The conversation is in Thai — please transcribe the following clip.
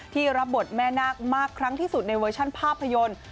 รับบทแม่นาคมากครั้งที่สุดในเวอร์ชันภาพยนตร์